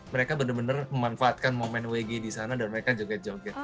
mereka benar benar memanfaatkan momen wg di sana dan mereka joget joget